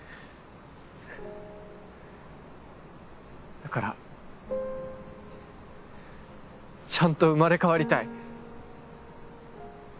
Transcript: だからちゃんと生まれ変わりたい。